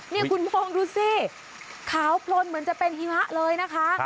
นี่คุณผู้ชมดูสิขาวพลนเหมือนจะเป็นหิมะเลยนะคะ